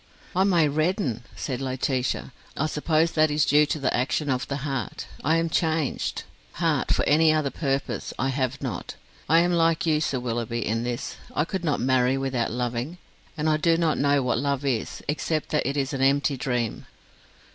"I may redden," said Laetitia. "I suppose that is due to the action of the heart. I am changed. Heart, for any other purpose, I have not. I am like you, Sir Willoughby, in this: I could not marry without loving, and I do not know what love is, except that it is an empty dream."